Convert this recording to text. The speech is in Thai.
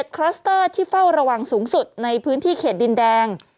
คลัสเตอร์ที่เฝ้าระวังสูงสุดในพื้นที่เขตดินแดง